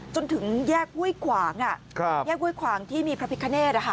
จนถึงแยกห้วยขวางแยกห้วยขวางที่มีพระพิคเนธ